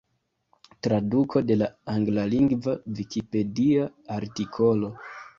Traduko de la anglalingva vikipedia artikolo.